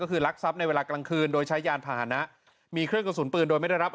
เล่นเฉพาะเวลาคิดเครียดครับ